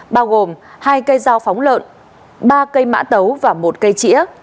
bao gồm hai cây dao phóng lợn ba cây mã tấu và một cây chĩa